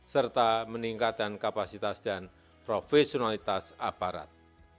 serta meningkatkan kapasitas dan profesionalitas aparat